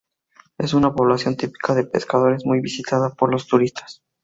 Es una población típica de pescadores, muy visitada por los turistas.